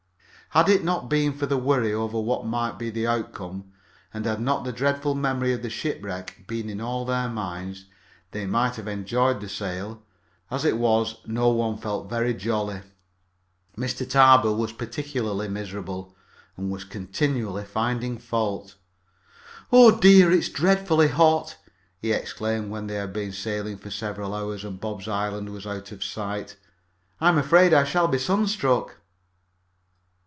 Had it not been for the worry over what might be the outcome, and had not the dreadful memory of the shipwreck been in all their minds, they might have enjoyed the sail. As it was, no one felt very jolly. Mr. Tarbill was particularly miserable, and was continually finding fault. "Oh, dear! It's dreadfully hot!" he exclaimed when they had been sailing for several hours and Bob's Island was out of sight. "I'm afraid I shall be sunstruck."